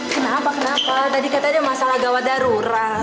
kenapa kenapa tadi katanya masalah gawat darurat